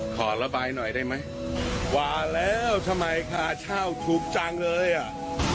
ขอระบายหน่อยได้ไหมว่าแล้วทำไมค่าเช่าถูกจังเลยอ่ะ